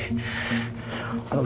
ada yang dateng lagi